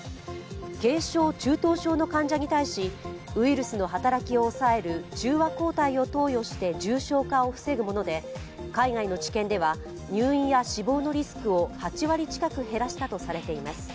軽症、中等症の患者に対しウイルスの働きを抑える中和抗体を投与して重症化を防ぐもので、海外の治験では入院や死亡のリスクを８割近く減らしたとされています。